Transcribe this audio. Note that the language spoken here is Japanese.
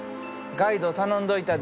ガイド頼んどいたで。